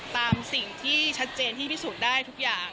ตามสิ่งที่ชัดเจนที่พิสูจน์ได้ทุกอย่าง